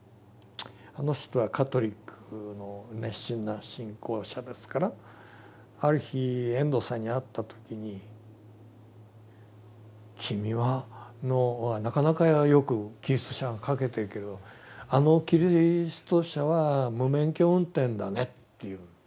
あの人はカトリックの熱心な信仰者ですからある日遠藤さんに会った時に「君のはなかなかよくキリスト者が書けているけどあのキリスト者は無免許運転だね」って言う。